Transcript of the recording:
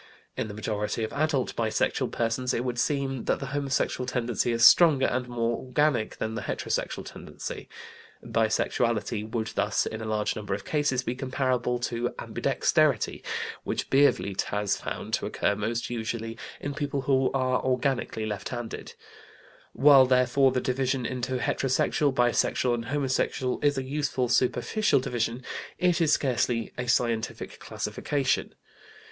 In the majority of adult bisexual persons it would seem that the homosexual tendency is stronger and more organic than the heterosexual tendency. Bisexuality would thus in a large number of cases be comparable to ambidexterity, which Biervliet has found to occur most usually in people who are organically left handed. While therefore the division into heterosexual, bisexual, and homosexual is a useful superficial division, it is scarcely a scientific classification.